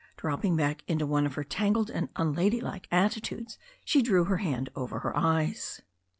Dropping back into one of her tangled and unlady like attitudes, she drew her hand over her eyes.